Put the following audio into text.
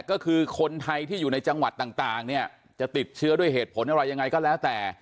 ก็คือคนไทยที่อยู่ในจังหวัดต่างเนี่ยจะติดเชื้อด้วยเหตุผลอะไรยังไงก็แล้วแต่